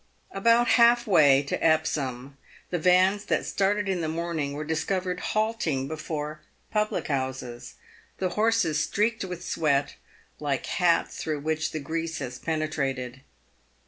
About half way to Epsom the vans that started in the morning were discovered halting before public houses, the horses streaked with sweat, like hats through which the grease has penetrated.